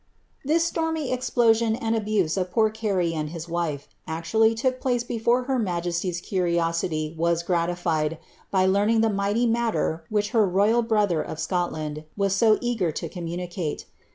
' This stormy explosion, and ahuse of poor Carey and hi? wife, ad took place before her majesiy's euriosiiy was eraiilied, by leamiD; mighty matter which her ro) al brotiier of Snolland was so eager to ntunicaie.